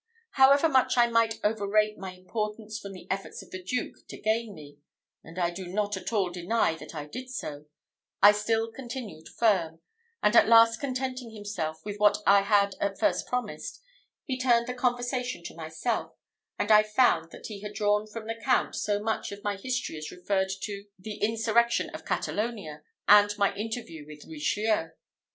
However much I might overrate my own importance from the efforts of the Duke to gain me and I do not at all deny that I did so I still continued firm: and at last contenting himself with what I had at first promised, he turned the conversation to myself, and I found that he had drawn from the Count so much of my history as referred to the insurrection of Catalonia, and my interview with Richelieu.